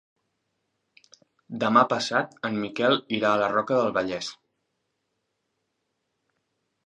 Demà passat en Miquel irà a la Roca del Vallès.